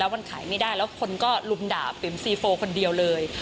มีแต่งไม่ได้แล้วคุณคนก็ลุมด่าปิ๊มสีโฟคนเดียว